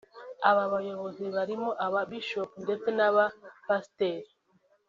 Aba bayobozi barimo aba Bishop ndetse n’Aba pasiteri